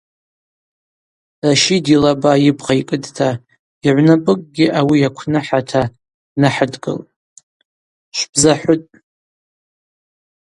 Ращид йлаба йыбгъа йкӏыдта, йыгӏвнапӏыкӏгьи ауи йаквныхӏата днахӏыдгылын: – Швбзахӏвытӏ.